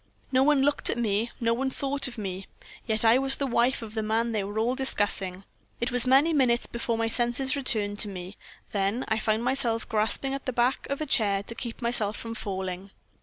"No one looked at me; no one thought of me; yet I was the wife of the man they were all discussing. It was many minutes before my senses returned to me; then I found myself grasping the back of a chair to keep myself from falling.